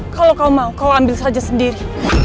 kalau kau mau kau ambil saja sendiri